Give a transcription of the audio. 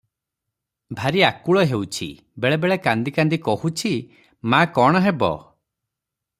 "ଭାରି ଆକୁଳ ହେଉଛି, ବେଳେ ବେଳେ କାନ୍ଦି କାନ୍ଦି କହୁଛି, ମା!କଣ ହେବ?